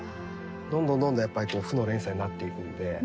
どんどんどんどんやっぱり負の連鎖になっていくんで。